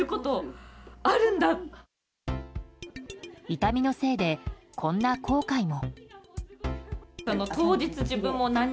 痛みのせいで、こんな後悔も。